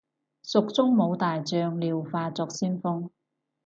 蜀中無大將，廖化作先鋒